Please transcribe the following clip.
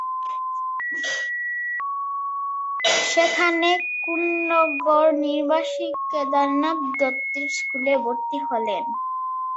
সেখানে কোন্নগর-নিবাসী কেদারনাথ দত্তের স্কুলে ভর্তি হলেন।